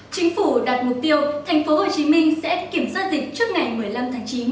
chính phủ đặt mục tiêu thành phố hồ chí minh sẽ kiểm soát dịch trước ngày một mươi năm tháng chín